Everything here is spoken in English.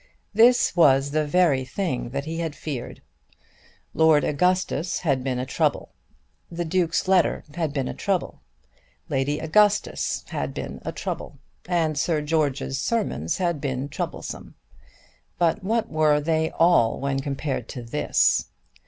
This was the very thing that he had feared. Lord Augustus had been a trouble. The Duke's letter had been a trouble. Lady Augustus had been a trouble; and Sir George's sermons had been troublesome. But what were they all when compared to this?